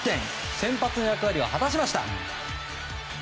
先発の役割を果たしました。